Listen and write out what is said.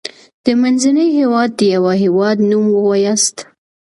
د منځني هيواد دیوه هیواد نوم ووایاست.